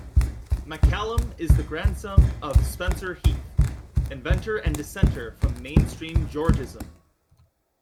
MacCallum is the grandson of Spencer Heath, inventor and dissenter from mainstream Georgism.